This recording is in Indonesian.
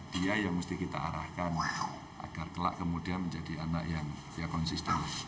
dia yang mesti kita arahkan agar kelak kemudian menjadi anak yang konsisten